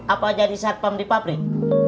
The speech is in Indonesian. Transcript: apa jadi satpam di pabrik